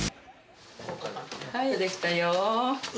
はいできたよ。